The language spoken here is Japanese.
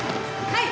はい！